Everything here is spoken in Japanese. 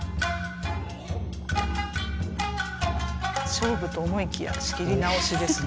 勝負と思いきや仕切り直しですね。